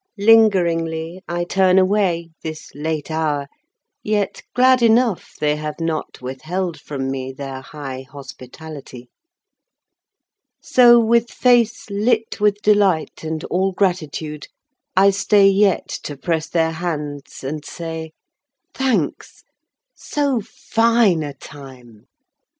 Lingeringly I turn away, This late hour, yet glad enoughThey have not withheld from meTheir high hospitality. So, with face lit with delightAnd all gratitude, I stayYet to press their hands and say,"Thanks.—So fine a time!